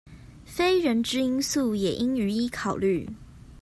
非人之因素也應予以考慮